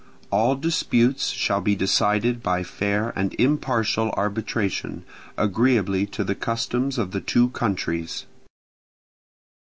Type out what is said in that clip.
All disputes shall be decided by fair and impartial arbitration, agreeably to the customs of the two countries.